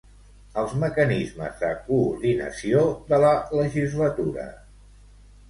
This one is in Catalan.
Els mecanismes de coordinació de la legislatura.